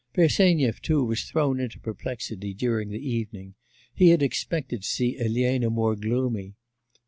Bersenyev, too, was thrown into perplexity during the evening: he had expected to see Elena more gloomy.